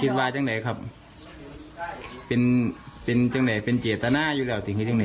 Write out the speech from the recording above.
คิดว่าจังไหนครับเป็นจังไหนเป็นเจตนาอยู่แล้วสิคิดยังไง